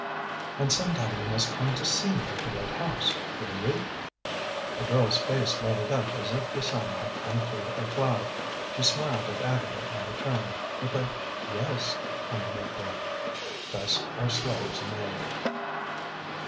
And sometime you must come to see me at the red house; will you?" The girl's face lighted up as if the sun had come through a cloud. She smiled at Agatha in return, with a "Yes" under her breath. Thus are slaves made.